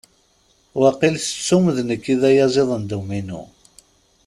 Wakil tettum d nekk i d ayaziḍ n dduminu.